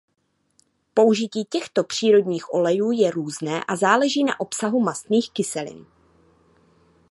Použití těchto přírodních olejů je různé a záleží na obsahu mastných kyselin.